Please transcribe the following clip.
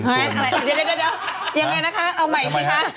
ยังไงนะคะเอาใหม่สิคะ